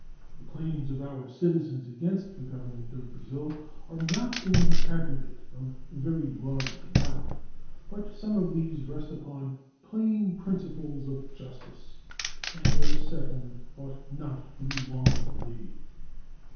The claims of our citizens against the Government of Brazil are not in the aggregate of very large amount; but some of these rest upon plain principles of justice and their settlement ought not to be longer delayed.